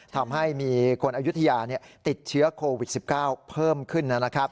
ทำให้มีคนอายุทยาติดเชื้อโควิด๑๙เพิ่มขึ้นนะครับ